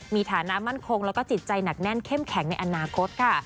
มีฐานะมั่นคงแล้วก็จิตใจหนักแน่นเข้มแข็งในอนาคตค่ะ